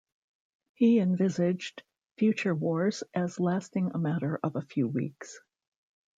He envisaged future wars as lasting a matter of a few weeks.